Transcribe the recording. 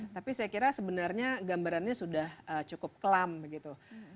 tapi saya kira sebenarnya gambarannya sudah cukup kelam begitu